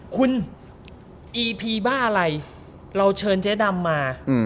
คุณอีพีบ้าอะไรเราเชิญเจ๊ดำมา